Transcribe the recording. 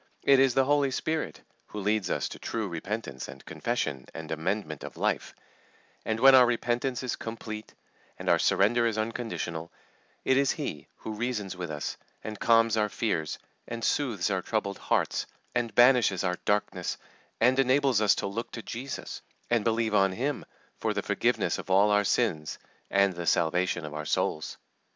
It is the Holy Spirit who leads us to true repentance and confession and amendment of life; and when our repentance is complete, and our surrender is unconditional, it is He who reasons with us, and calms our fears, and soothes our troubled hearts, and banishes our darkness, and enables us to look to Jesus, and believe on Him for the forgiveness of all our sins and the salvation of our souls.